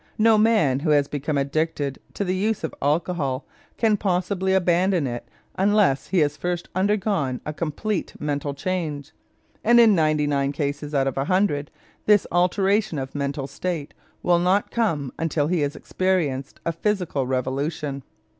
No man who has become addicted to the use of alcohol can possibly abandon it unless he has first undergone a complete mental change, and in ninety nine cases out of a hundred this alteration of the mental state will not come until he has experienced a physical revolution.